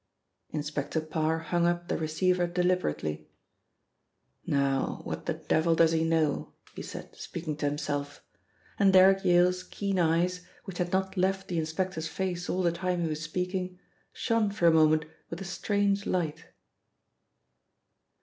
Inspector Parr hung up the receiver deliberately, "Now, what the devil does he know?" he said, speaking to himself, and Derrick Yale's keen eyes, which had not left the inspector's face all the time he was speaking, shone for a moment with a strange light.